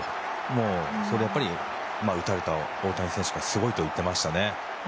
もう、それはやっぱり打たれた大谷選手がすごいと言ってましたね。